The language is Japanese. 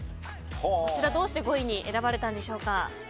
どうして５位に選ばれたんでしょうか。